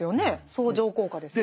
相乗効果ですよね。